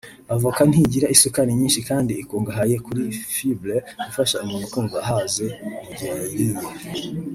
Avoka ntigira isukari nyinshi kandi ikungahaye kuri fibre ifasha umuntu kumva ahaze mu gihe yayiriye